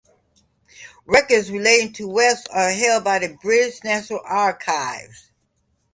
Records relating to West are held by the British National Archives.